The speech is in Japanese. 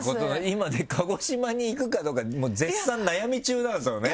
今ね鹿児島に行くかどうか絶賛悩み中なんですよね。